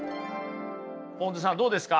ぽんづさんどうですか？